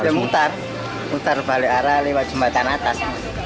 ya mutar putar balik arah lewat jembatan atas